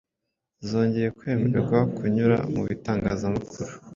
zongeye kwemerwa kunyura mu bitangazamakuru